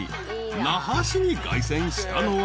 那覇市に凱旋したのは］